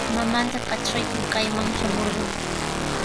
Mamanta katraykur kayman shamurqan.